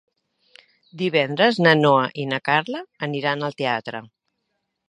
Divendres na Noa i na Carla iran al teatre.